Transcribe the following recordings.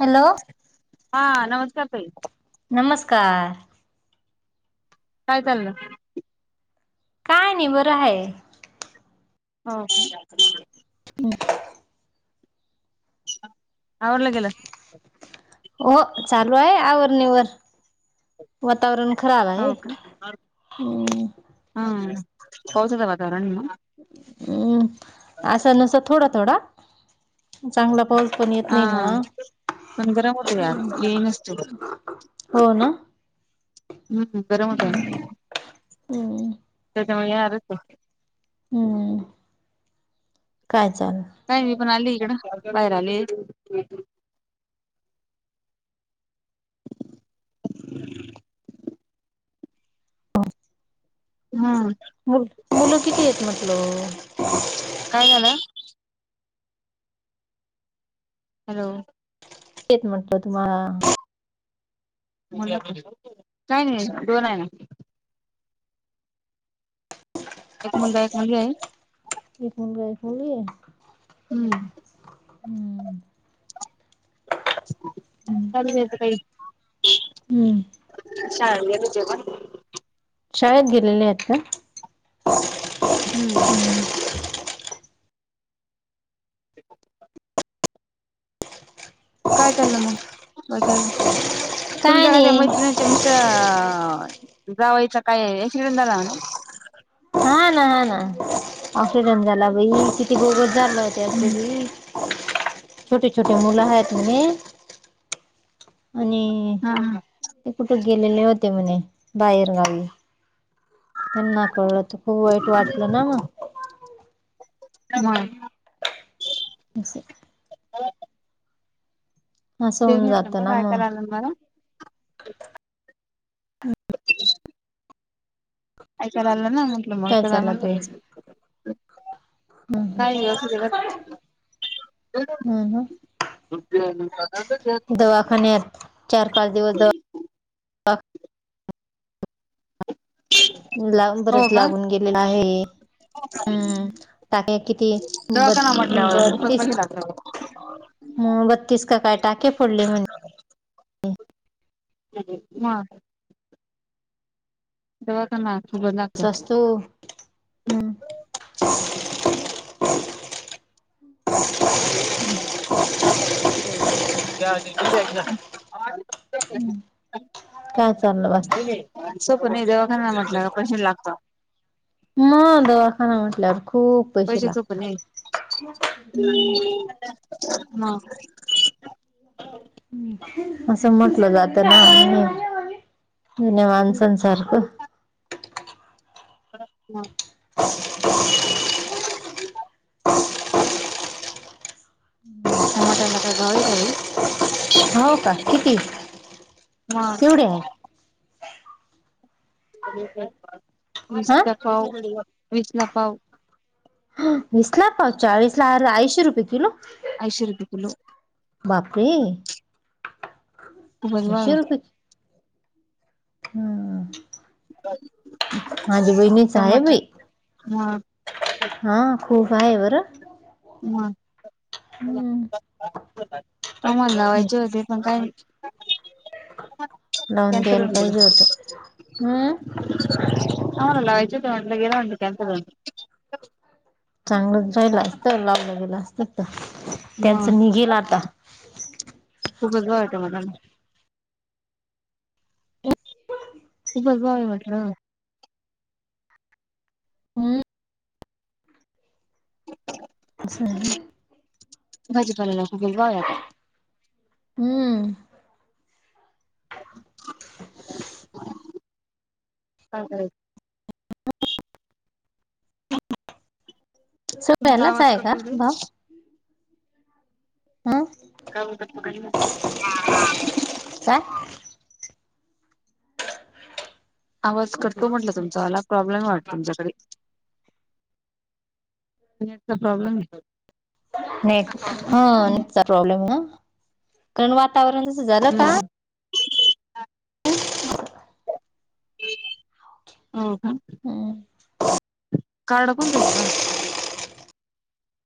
Hello हा नमस्कार ताई! नमस्कार काय चाललंय? काय नाही बरं आहे. हो का हम् [unintelligible] आवरलं गेलं. हो चालू आहे आवर निवर. वातावरण खराब आहे हम् हम पावसाचं वातावरण आहे ना. हम्म असं नस थोडा थोडा. चांगला पाऊस पण येत हा नाही ना पण गरम होतय आज येईनच ते हो ना. हम्म बरं मत आहे ना हम्म त्याच्यामुळेरच हम्म काय चाल? काय मी पण आली इकडं बाहेर आले. [unintelligible] हम्म मु मुलं किती आहेत म्हटलं. काय झालं? हॅलो एक म्हटलं तुम्ह? का नाही दोन आहे ना. एक मुलगा, एक मुलगी आहे. एक मुलगा एक मुलगी हम्म हम्म चालू येत काही. हम्म शान विज पण शाळेत गेलेले आहेत का? हम्म काय चाललं मग बघ्या? काय तुमच्या ना त्या नाही मैत्रिणीचे मिस्टर जावायचं काय एक्सिडेंट झाला? हा ना हा ना ऑक्सिडेंट झाला भाई किती गोगत झालं होत हम्म असी. छोटे छोटी मुलं आहेत नई. आणि हा ते कुठे गेलेले होते म्हणे बाहेरगावी. त्यांना कळलं तर खूप वाईट वाटलं ना मग. ह अस असं होऊन तिघनटलं जातं म ना राय मग काला आन मला. त [unintelligible] ऐकाय आलं ना, म्हटलं मग काय चला चाललं म्हणते. तुमचं ह काही नाही अस ह ना [unintelligible] दु [unintelligible] दवाखान्यात. चार पाच दिवस दवा ला बरच लागून गेलेला आहे. हो का [unintelligible] हम्म टाके किती ब दवाखाना म्हटल्यावर खूपच बतीस पैसे लागतात बत्तीस का काय? टाके पडले म्हणे. ह ह. म. दवाखाना लागतो. सस्तो हम्म. [unintelligible] त्या्या [unintelligible] काय चाललं बाकी. सोपण नाही. दवाखाना म्हटलं का पैशे लागता. म, दवाखाना म्हटल्यावर खूप पैसे सोप नये. म. असं म्हटलं जात ना. जुन्या माणसांसारखं. अ हा [unintelligible] [inaudible] टमाट्याला का भावे बाई. हो का? कितीय. मग केवढे आहे. हा विसच पाव, विसला पाव. वीस ला पाव, चाळीस ला अर्धा. ऐंशीे रुपये किलो. ऐंशीे रुपये किलो. बापरे. खूपच भावे ऐंशी त्याला. रुपये हम्म. माझ्या बहिणीच आहे टमाटर. बाई हा. हा. खूप आहे बरं. मग. हम्म आम्हाला लावायचे होते. पण काय? लावून कॅन्सल द्यायला होऊन गेलं. पाहिजे होत हम्म आम्हाला लावायचे होते. गेल म्हटलं कॅन्सल होऊन. चांगलं झाल असतं, लावलगेल असत त. म. खूपच भावे टमाट्याला. खूपच भावे म्हटलं. हम्म. असं [unintelligible] भाजीपाल्याला खूपच भावे आता. हम्म. काय करायच. तुमचा सगळ्यालच आवाज हाय कट का होतोय भाव. अ. काऊ दप ग [unintelligible] काय? आवाज कटतो म्हटलं तुमचावाला. प्रॉब्लेम वाटत तुमच्याकडे. का नेट चा प्रॉब्लेमे. नेट ह नेटचा प्रॉब्लेमे. अ कारण वातावरण तस झालं का? हम्म हो हम्म कारड कोणतेत ना?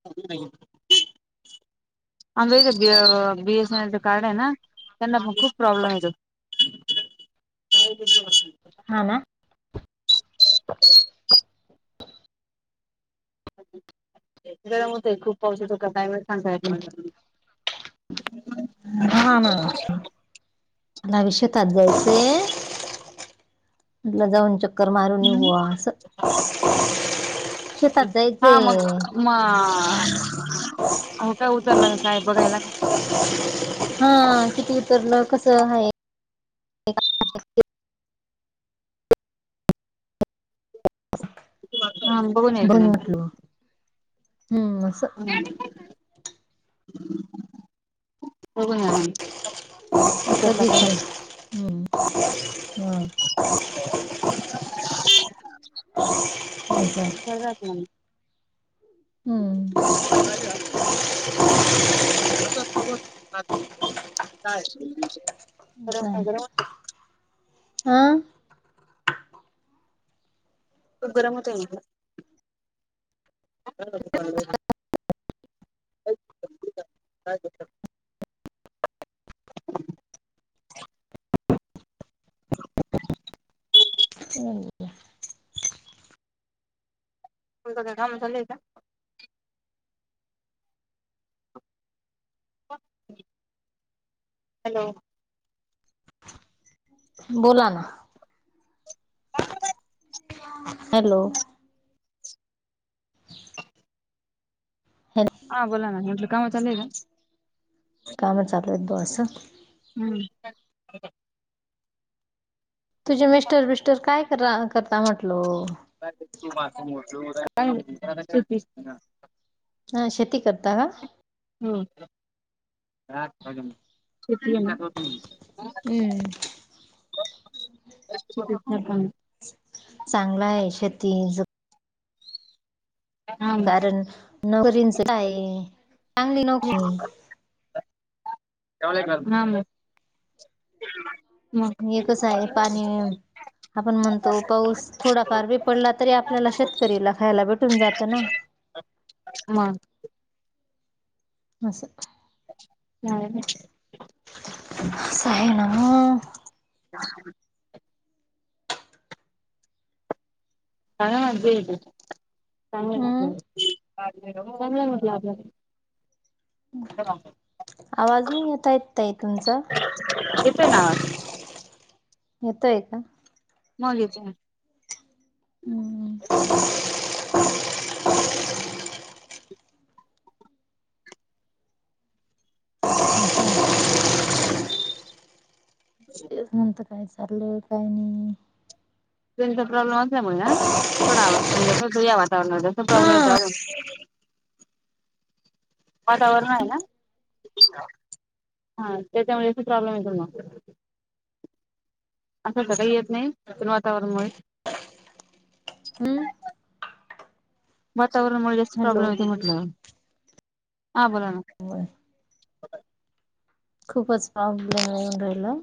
[unintelligible] आच बीएसएनच कारण आहे ना त्यांना पण खूप प्रॉब्लेम येतो. काय? हा ना? [unintelligible] गरम होतय खूप पाऊस होतो का क्लायमेट सांगय म्ह हा नाला विषेतात जायचे. म्हलं जाऊन चक्कर मारून निघवा अस हा मग म हो काा उतलला काय बघायला का? हा किती उतरलं कसं आहे. हा बघून यायचं ना बोनी म्हटल ह बघ करलं का हम् [unintelligible] हो का? कर [unintelligible] हम्म ज [unintelligible] अस काय च गरम [unintelligible] होतंय हां खूप गरम होत आहे म्हला. [unintelligible] [unintelligible] हो काम चालय का? हॅलो बोला ना. ह [unintelligible] हॅलो हॅ हा बोला ना म्हटलं काम चालेयल? काम चालत बसस हम्म तुझ्या मिस्टर बिस्टर काय करता म्हटल? [unintelligible] हा शेती करता का? हम् हम्म ह [unintelligible] चांगला आहे शेती हा मग कारण नोकरींच काय चांगली नोकरी [unintelligible] हे कस आहे पाणी आपण म्हणतो पाऊस थोडा फ ब पडला तरी आपल्याला शेतकरीला खायला भेटून जातं ना. ह अससं हा स आहे ना म चां चांगलं हम्म चांगला म्हटलं आपल्याला [inaudible] [unintelligible] आवाज नाही येता येत आहेत ताई तुमचा येतय ना आवाज. [inaudible] येतोय का? मग येती मन. हम्म. [unintelligible] तेच नंतर काय चाललं काही नाही. ट्रेनचा प्रॉब्लेम असल्यामुळे ना, थोडा आवाज कमी तुज्या वातावरणावर जस प्रॉब्लेम हा येत. वातावरण आहे ना, हा, हा त्याच्यामुळे प्रॉब्लेम येतोय म. असं त काही येत नाही वातावरणमुळे. हम्म. वातावरणामुळे जास्त हॅलो प्रॉब्लेम येतय म्हटल, हा बोला ना. होय. खूपच प्रॉब्लेम येऊन राहिला.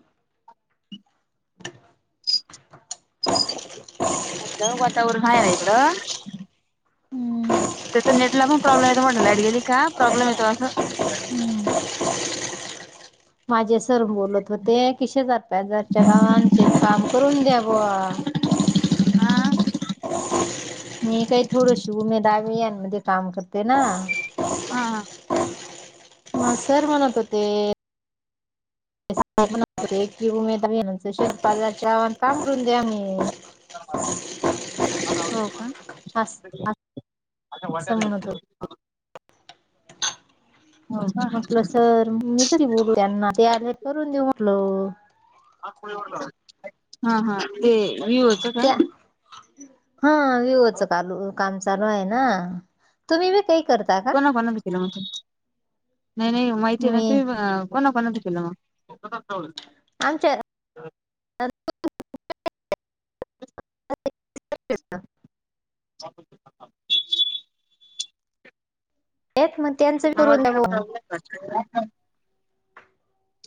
[unintelligible] वातावरण हाय ना इकडं. ते तर नेटला पण प्रॉब्लेम येत म्हणटल लाईट गेली का प्रॉब्लेम येतो असं. माझे सर बोलत होते [unintelligible] काम करून द्या ब. [inaudible] हा. मी काही थोडीशी उमे दावे यान मध्ये काम करते ना. हा. म सर म्हणत होते. [unintelligible] हो का, अस असं म्हणत होते. [unintelligible] म्हटलं सर मी कधी बोलू त्यांना ते आले करून देऊ म्हटल. हा हा ते व्यू [unintelligible] त्या, हा विवच कालू. काम चालू हाय ना, तुम्ही बी काही करता का? कोणा कोणा च केला म, नाही नाही माहिती मी [unintelligible] कोणा कोणाचे केलं म. आमच्या [unintelligible] [unintelligible] एक म त्यांचं करून द्या ब. [unintelligible]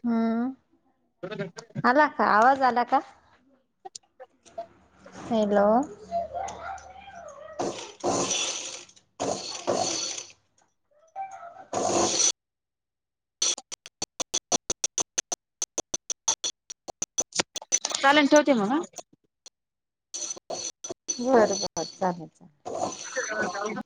हम्. [unintelligible] आला का आवाज आला का? हॅलो. [inaudible] चालेल ठेवते मग हा. बर बर चालेल. [unintelligible]